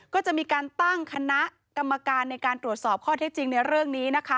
ก็จะมีการตั้งคณะกรรมการในการตรวจสอบข้อเท็จจริงในเรื่องนี้นะคะ